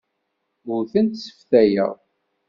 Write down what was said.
Ur tent-sseftayeɣ.